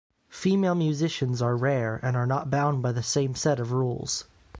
Female musicians are rare and are not bound by the same set of rules.